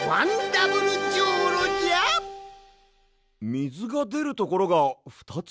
みずがでるところがふたつ？